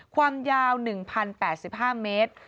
ความยาว๑๐๘๕เมตร